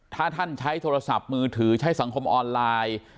ถ้าท่านใช้โทรศัพท์มือถือใช้สังคมออนไลน์